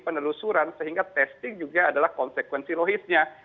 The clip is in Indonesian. penelusuran sehingga testing juga adalah konsekuensi logisnya